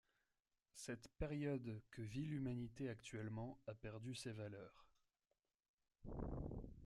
Cette période que vit l'humanité actuellement a perdu ses valeurs.